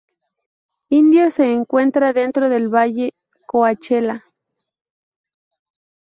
Indio se encuentra dentro del Valle Coachella.